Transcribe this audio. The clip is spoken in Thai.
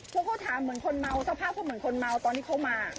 พวกเขาถามเหมือนคนเมาสภาพเขาเหมือนคนเมาตอนที่เขามา